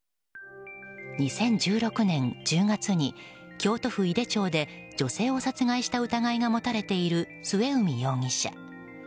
２０１６年１０月に京都府井手町で女性を殺害した疑いが持たれている末海容疑者。